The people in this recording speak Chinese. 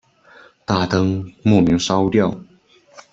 大灯莫名烧掉